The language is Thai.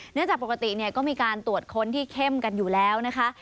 จากปกติก็มีการตรวจค้นที่เข้มกันอยู่แล้วนะคะ